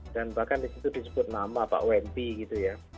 dan bahkan disitu disebut nama pak wempi gitu ya